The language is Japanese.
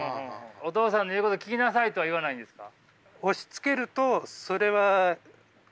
「お父さんの言うこと聞きなさい」とは言わないんですか？